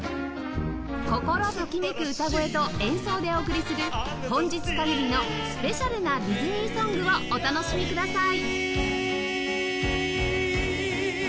心ときめく歌声と演奏でお送りする本日限りのスペシャルなディズニーソングをお楽しみください